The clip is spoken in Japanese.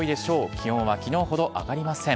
気温はきのうほど上がりません。